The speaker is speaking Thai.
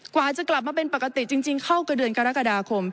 กว่าจะกลับมาเป็นปกติจริงเข้ากับเดือนกรกฎาคม